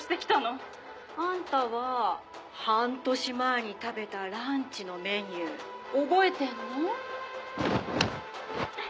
「あんたは半年前に食べたランチのメニュー覚えてるの？」